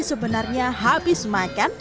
sebenarnya habis makan